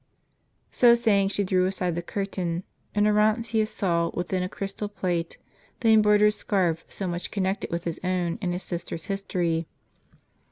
So saying she drew aside the curtain, and Orontius saw within a crystal plate, the embroidered scarf so much con nected with his own, and his sister's history.